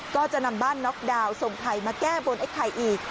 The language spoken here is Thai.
ก็จะนำบ้านน็อกดาวนส่งไข่มาแก้บนไอ้ไข่อีก